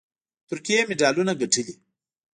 ترکیې مډالونه ګټلي